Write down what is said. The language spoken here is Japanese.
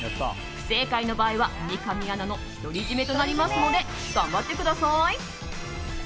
不正解の場合は、三上アナの独り占めとなりますので頑張ってください。